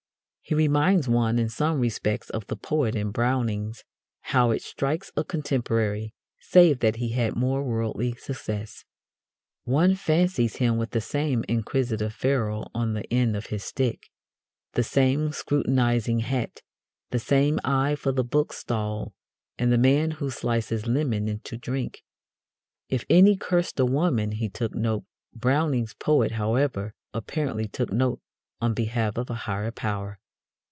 He reminds one in some respects of the poet in Browning's "How it strikes a Contemporary," save that he had more worldly success. One fancies him with the same inquisitive ferrule on the end of his stick, the same "scrutinizing hat," the same eye for the bookstall and "the man who slices lemon into drink." "If any cursed a woman, he took note." Browning's poet, however, apparently "took note" on behalf of a higher power.